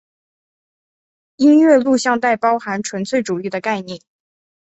音乐录像带包含纯粹主义的概念。